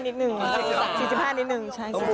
แล้วสี่สี่ห้านิดหนึ่ง